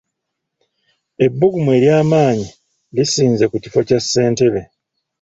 Ebbugumu ery'amaanyi lisinze ku kifo kya ssentebe.